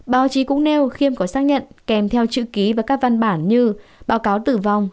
báo chí cũng nêu khiêm có xác nhận kèm theo chữ ký và các văn bản như báo cáo tử vong